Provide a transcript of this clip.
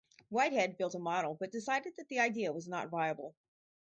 Whitehead built a model but decided that the idea was not viable.